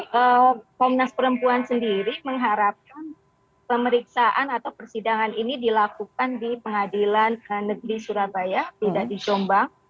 komnas perempuan sendiri mengharapkan pemeriksaan atau persidangan ini dilakukan di pengadilan negeri surabaya tidak di jombang